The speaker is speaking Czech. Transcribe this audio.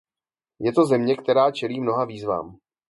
Je to země, která čelí mnoha výzvám.